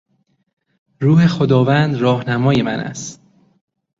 روح خداوند راهنمای من است.